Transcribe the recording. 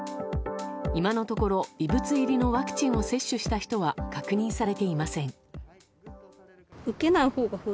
今のところ異物入りのワクチンを接種した人は確認されていません。